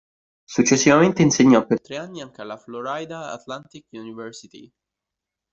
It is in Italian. Successivamente insegnò per tre anni anche alla Florida Atlantic University.